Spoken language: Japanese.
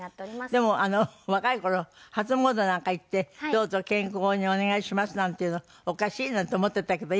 でも若い頃初詣なんか行ってどうぞ健康にお願いしますなんていうのおかしいなんて思っていたけど。